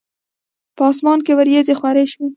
په اسمان کې وریځي خوری شوی